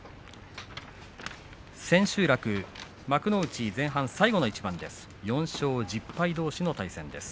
千秋楽、幕内前半最後の一番です。